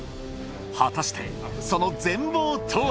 果たしてその全貌とは。